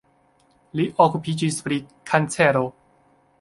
Li okupiĝis pri kancero.